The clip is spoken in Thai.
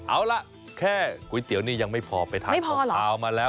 เอาล่ะแค่ก๋วยเตี๋ยวนี่ยังไม่พอไปทานขาวมาแล้ว